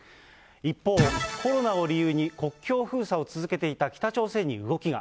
一方、コロナを理由に国境封鎖を続けていた北朝鮮に動きが。